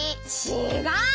ちがう！